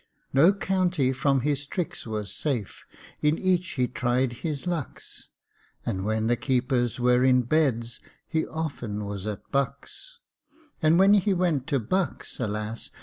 No county from his tricks was safe; In each he tried his lucks, And when the keepers were in Beds, He often was at Bucks. And when he went to Bucks, alas!